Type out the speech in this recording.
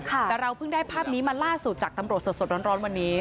แต่เราเพิ่งได้ภาพนี้มาล่าสุดจากตำรวจสดร้อนวันนี้